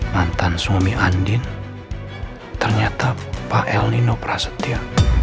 mantan suami andin ternyata pak el nino prasetya